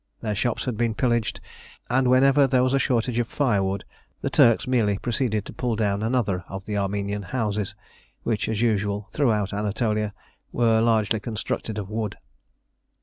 Their shops had been pillaged, and whenever there was a shortage of firewood the Turks merely proceeded to pull down another of the Armenian houses, which, as usual throughout Anatolia, were largely constructed of wood.